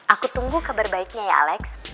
aku tunggu kabar baiknya ya alex